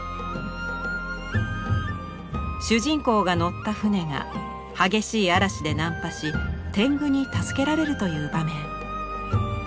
主人公が乗った船が激しい嵐で難破し天狗に助けられるという場面。